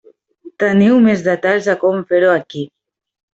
Teniu més detalls de com fer-ho aquí.